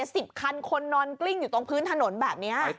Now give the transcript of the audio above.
สิบคันคนนอนกลิ้งอยู่ตรงพื้นถนนแบบนี้